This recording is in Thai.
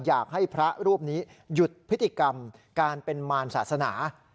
อยากให้พระรูปนี้หยุดพฤติกรรมการเป็นมารศาสนา